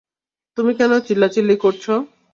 তুমি কেন চিল্লাচিল্লি করছ?